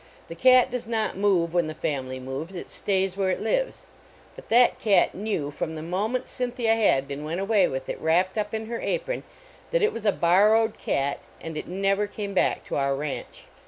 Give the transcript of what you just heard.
The cat does not move when the family moves; it stays where it lives. But that cat knew, from the moment Cynthia Hadbin went away with it wrapped up in her apron, that it was a borrowed cat, and it never came back " to our ranch.